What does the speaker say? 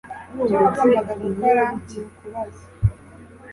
Icyo wagombaga gukora nukubaza